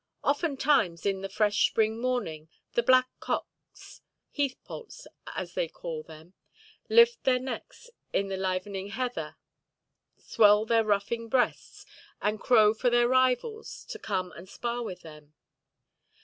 Oftentimes in the fresh spring morning the blackcocks—"heathpoults" as they call them—lift their necks in the livening heather, swell their ruffing breasts, and crow for their rivals to come and spar with them.